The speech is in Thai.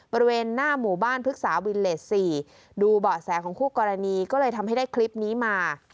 บริเวณหน้าหมู่บ้านพฤกษาวินเลส๔ดูเบาะแสของคู่กรณีก็เลยทำให้ได้คลิปนี้มา